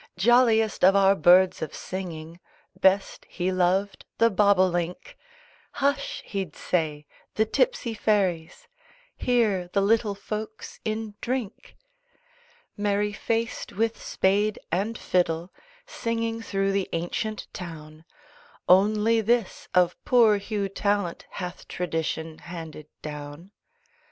Jolliest of our birds of singing Best he loved the Bob o link. "Hush!" he'd say, "the tipsy fairies! Hear the little folks in drink!" Merry faced, with spade and fiddle, Singing through the ancient town, Only this, of poor Hugh Tallant Hath Tradtion handed down.